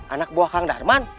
anak buah kang darman